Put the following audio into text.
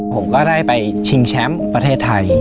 ผมก็ได้ไปชิงแชมป์ประเทศไทย